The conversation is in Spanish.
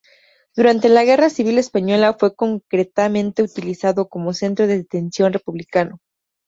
Durante la Guerra Civil Española fue concretamente utilizado como centro de detención republicano.